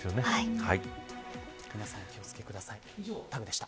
皆さんお気を付けください。